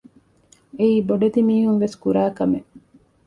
އެއީ ބޮޑެތި މީހުންވެސް ކުރާ ކަމެއް